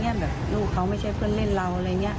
แบบลูกเขาไม่ใช่เพื่อนเล่นเราอะไรอย่างนี้